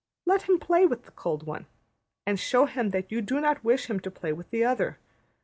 Let him play with the cold one; and show him that you do not wish him to play with the other.